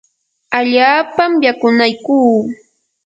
allaapam yakunaykuu.